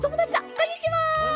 こんにちは！